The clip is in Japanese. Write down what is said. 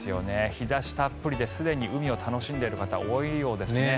日差したっぷりですでに海を楽しんでいる方多いようですね。